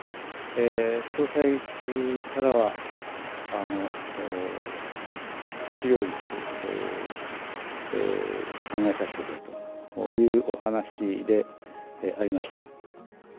総裁からは、一両日考えさせてくれというお話でありました。